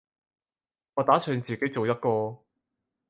我打算自己做一個